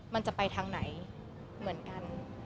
มันจะไปทางไหนเหมือนกัน